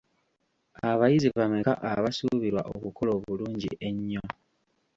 Abayizi bameka abasuubirwa okukola obulungi ennyo?